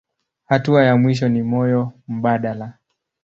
Hatua ya mwisho ni moyo mbadala.